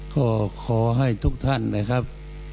ก็ขอให้ทุกท่านนะครับ